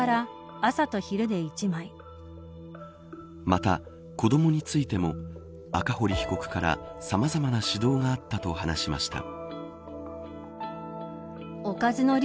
また、子どもについても赤堀被告から、さまざまな指導があったと話しました。